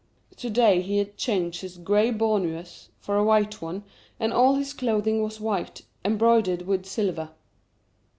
To day he had changed his grey bournous for a white one, and all his clothing was white, embroidered with silver.